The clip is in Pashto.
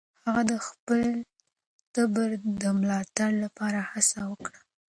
هغه د خپل ټبر د ملاتړ لپاره هڅه وکړه.